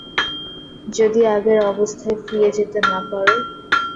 যদি আগের অবস্থায় ফিরে যেতে না পারো?